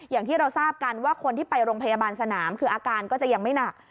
อย่างที่เราทราบกันว่าคนที่ไปโรงพยาบาลสนามคืออาการก็จะยังไม่หนัก